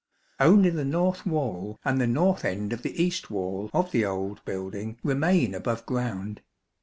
Only the north wall and the north end of the east wall of the old building remain above ground.